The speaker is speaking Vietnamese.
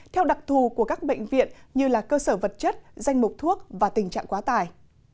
theo đặc thù của các bệnh viện như là cơ sở vật chất danh mục thuốc và tình trạng quá tải